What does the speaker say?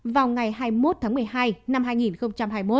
vào ngày hai mươi một tháng một mươi hai năm hai nghìn hai mươi một